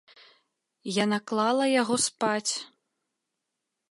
Яна клала яго спаць.